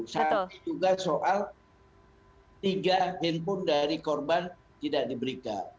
saat itu kan soal tiga handphone dari korban tidak diberikan